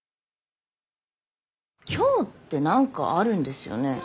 今日って何かあるんですよね？